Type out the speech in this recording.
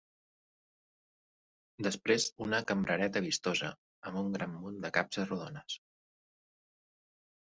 Després una cambrereta vistosa, amb un gran munt de capses rodones.